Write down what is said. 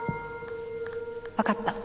わかった。